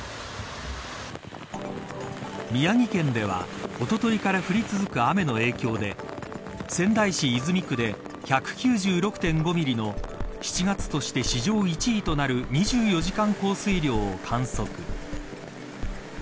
宮城県では、おとといから降り続く雨の影響で仙台市泉区で１９６．５ミリの７月として史上１位となる２４時間降水量を観測。